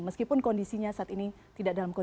meskipun kondisinya saat ini tidak berhasil